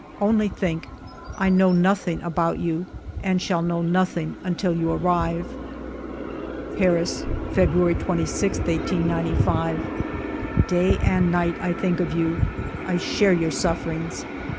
Only think, I know nothing about you and shall know nothing until you arrive !"... "Paris, February 26, 1895. " Day and night I think of you, I share your sufferings.